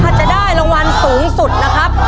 ถ้าจะได้รางวัลสูงสุดนะครับ